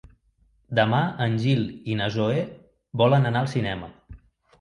Demà en Gil i na Zoè volen anar al cinema.